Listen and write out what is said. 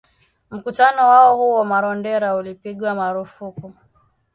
Mkutano wao huko Marondera ulipigwa marufuku